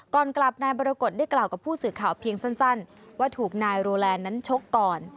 ก่อนกลับนายบรกฏได้กล่าวกับผู้สื่อข่าวเพียงสั้นว่าถูกนายโรแลนด์นั้นชกก่อน